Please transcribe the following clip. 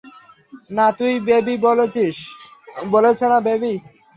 না, তুই বেবি বলেছিস, বলেছে না, বেবি?